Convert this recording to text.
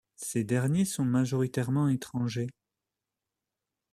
Ces derniers sont majoritairement étrangers.